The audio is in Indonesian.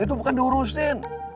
itu bukan diurusin